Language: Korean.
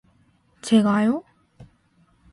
제가요?